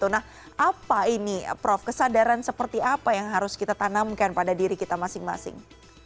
nah apa ini prof kesadaran seperti apa yang harus kita tanamkan pada diri kita masing masing